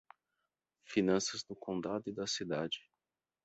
Finanças do condado e da cidade